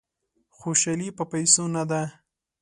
خوشالي په پیسو نه ده.